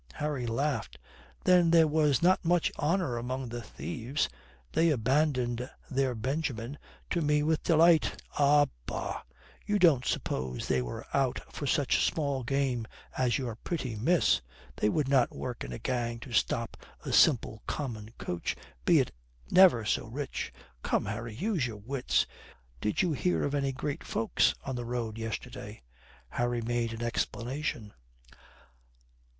Harry laughed. "Then there was not much honour among the thieves. They abandoned their Benjamin to me with delight." "Ah, bah, you do not suppose they were out for such small game as your pretty miss. They would not work in a gang to stop a simple, common coach, be it never so rich. Come, Harry, use your wits. Did you hear of any great folks on the road yesterday?" Harry made an exclamation.